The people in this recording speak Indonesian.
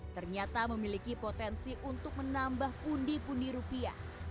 ternyata memiliki potensi untuk menambah pundi pundi rupiah